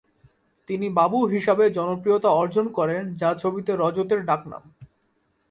তিনি 'বাবু' হিসাবে জনপ্রিয়তা অর্জন করেন, যা ছবিতে রজত এর ডাকনাম।